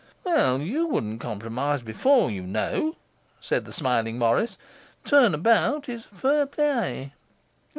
'Well, YOU wouldn't compromise before, you know,' said the smiling Morris. 'Turn about is fair play.